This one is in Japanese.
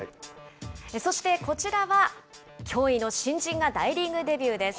そして、こちらは驚異の新人が大リーグデビューです。